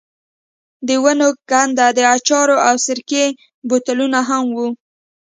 د ونو کنډ، د اچارو او سرکې بوتلونه هم وو.